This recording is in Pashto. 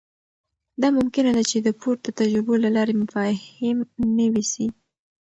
دا ممکنه ده چې د پورته تجربو له لارې مفاهیم نوي سي.